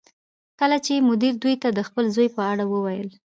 کله چې مدیر دوی ته د خپل زوی په اړه وویل